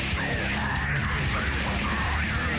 พระเจ้าหนีนี่